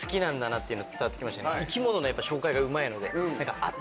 生き物のやっぱ紹介がうまいので何か。